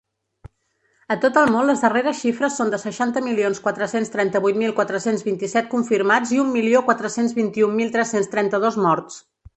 A tot el món, les darreres xifres són de seixanta milions quatre-cents trenta-vuit mil quatre-cents vint-i-set confirmats i un milió quatre-cents vint-i-un mil tres-cents trenta-dos morts.